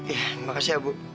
iya makasih ya bu